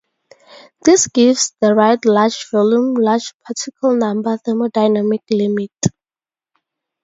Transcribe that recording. This gives the right large volume, large particle number thermodynamic limit.